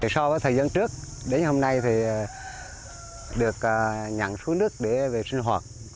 so với thời gian trước đến hôm nay thì được nhận số nước để về sinh hoạt